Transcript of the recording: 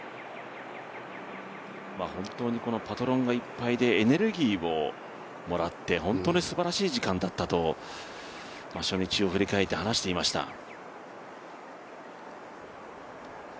本当にこのパトロンがいっぱいでエネルギーをもらって、本当にすばらしい時間だったと初日を振り返って話していました。